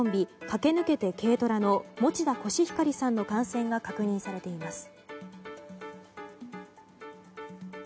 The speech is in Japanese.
駆け抜けて軽トラの餅田コシヒカリさんの感染が確認されています。